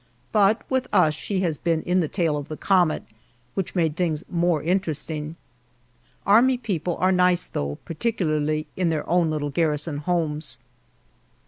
But with us she has been in the tail of the comet which made things more interesting. Army people are nice, though, particularly in their own little garrison homes.